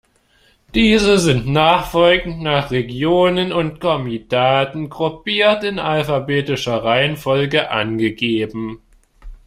Diese sind nachfolgend nach Regionen und Komitaten gruppiert in alphabetischer Reihenfolge angegeben.